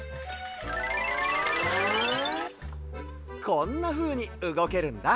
こんなふうにうごけるんだ。